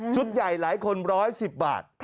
ใหญ่หลายคน๑๑๐บาท